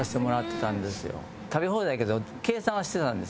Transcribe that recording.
食べ放題やけど計算はしてたんですよ。